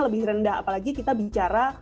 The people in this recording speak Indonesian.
lebih rendah apalagi kita bicara